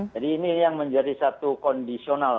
jadi ini yang menjadi satu kondisional